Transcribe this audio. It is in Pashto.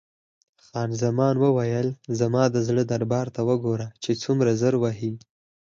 خان زمان وویل: زما د زړه دربا ته وګوره چې څومره زر وهي.